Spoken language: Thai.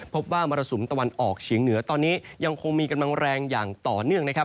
มรสุมตะวันออกเฉียงเหนือตอนนี้ยังคงมีกำลังแรงอย่างต่อเนื่องนะครับ